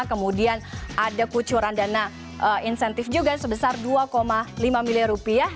kemudian ada kucuran dana insentif juga sebesar dua lima miliar rupiah